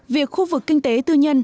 việc khu vực kinh tế tư nhân